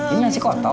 ini masih kotor